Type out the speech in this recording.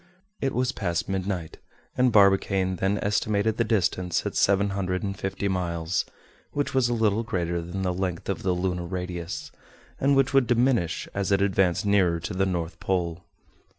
It was past midnight; and Barbicane then estimated the distance at seven hundred and fifty miles, which was a little greater than the length of the lunar radius, and which would diminish as it advanced nearer to the North Pole.